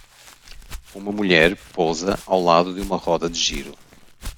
Uma mulher posa ao lado de uma roda de giro.